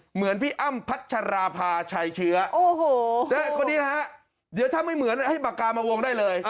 เหมือนพี่อ้ำพัชราภาชัยเชื้อโอ้โหคนนี้นะฮะเดี๋ยวถ้าไม่เหมือนให้ปากกามาวงได้เลย